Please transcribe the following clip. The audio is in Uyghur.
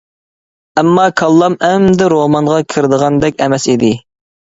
ئەمما كاللام ئەمدى رومانغا كىرىدىغاندەك ئەمەس ئىدى.